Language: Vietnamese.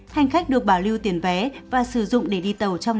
hành khách được bảo lưu tiền vé và sử dụng để đi tàu trong năm hai nghìn hai mươi hai